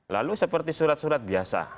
lalu seperti surat surat biasa